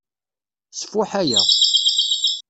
Sfuḥ aya.